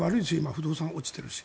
不動産が落ちているし。